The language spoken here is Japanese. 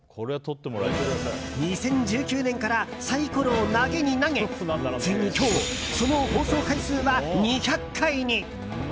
２０１９年からサイコロを投げに投げついに今日その放送回数は２００回に！